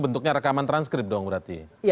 bentuknya rekaman transkrip dong berarti